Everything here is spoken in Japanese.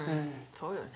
そうよね。